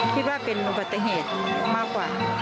คิดว่าเป็นอุบัติเหตุมากกว่า